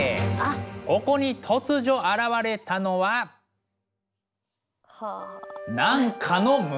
ここに突如現れたのは何かの群れだ！